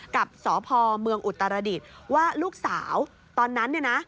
กับสพเมืองอุตรดิษฐ์ว่าลูกสาวตอนนั้นเนี่ยนะ